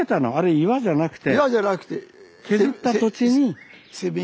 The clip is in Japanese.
岩じゃなくて。